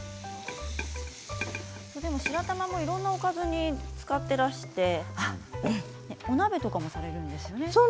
白玉もいろいろなおかずに使っていらしてお鍋とかもされるんですよね。